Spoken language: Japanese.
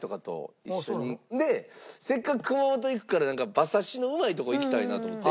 でせっかく熊本行くからなんか馬刺しのうまいとこ行きたいなと思って。